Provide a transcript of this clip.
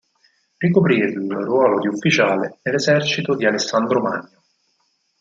Ricoprì il ruolo di ufficiale nell'esercito di Alessandro Magno.